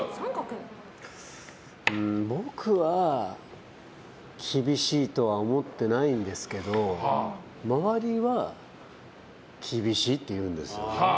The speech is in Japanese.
僕は厳しいとは思ってないんですけど周りは厳しいっていうんですよ。